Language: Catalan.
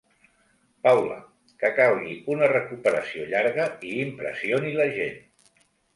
Paula–, que calgui una recuperació llarga i impressioni la gent.